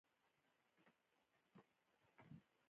د بښنې غوښتنه د زړه صفا ده.